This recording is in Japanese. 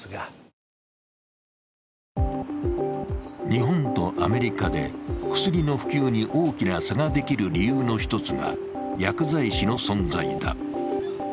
日本とアメリカで薬の普及に大きな差ができる理由の１つが薬剤師の存在だ。